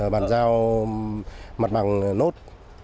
bản giao mặt bằng nốt